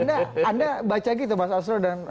anda baca gitu mas asro dan